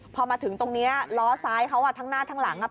พอมาถึงตรงนี้ล้อซ้ายเขาอ่ะทั้งหน้าทั้งหลังอ่ะ